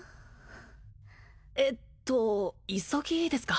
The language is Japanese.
えっと急ぎですか？